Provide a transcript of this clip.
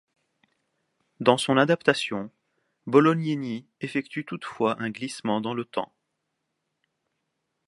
Dans son adaptation, Bolognini effectue toutefois un glissement dans le temps.